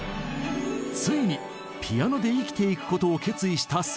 ついにピアノで生きていくことを決意した反田さん。